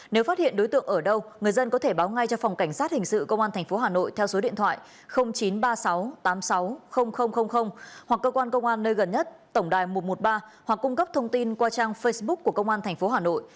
nếu phát hiện đối tượng ở đâu người dân có thể báo ngay cho phòng cảnh sát hình sự công an tp hà nội theo số điện thoại chín trăm ba mươi sáu tám mươi sáu hoặc cơ quan công an nơi gần nhất tổng đài một trăm một mươi ba hoặc cung cấp thông tin qua trang facebook của công an tp hà nội